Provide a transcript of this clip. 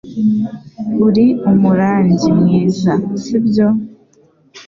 Uri umurangi mwiza, sibyo?